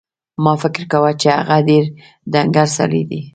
ما فکر کاوه چې هغه ډېر ډنګر سړی دی.